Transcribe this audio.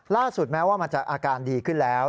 แม้ว่ามันจะอาการดีขึ้นแล้ว